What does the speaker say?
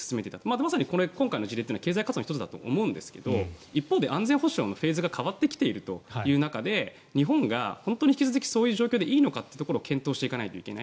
まさに今回の事例は経済活動の１つだと思うんですが一方で、安全保障のフェーズが変わってきているという中で日本が本当に引き続きそういう状況でいいのかというところを検討していかないといけない。